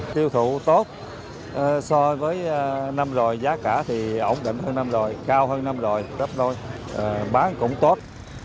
tiêu thụ tốt so với năm rồi giá cả thì ổn định hơn năm rồi cao hơn năm rồi đắp đôi bán cũng tốt